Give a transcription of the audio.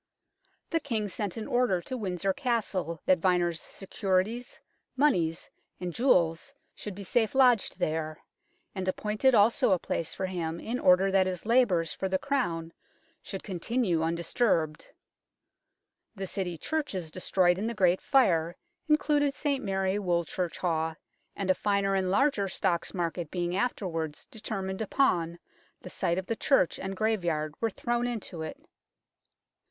The King sent an order to Windsor Castle that Vyner's securities, moneys and jewels should be safe lodged there, and appointed also a place for Mm in order that his labours for the Crown should continue undisturbed. The City churches de stroyed in the Great Fire included St Mary Woolchurchhawe, and a finer and larger Stocks Market being afterwards determined upon, the site of the church and graveyard were thrown into it.